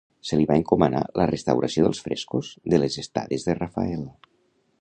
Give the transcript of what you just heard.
Se li va encomanar la restauració dels frescos de les Estades de Rafael.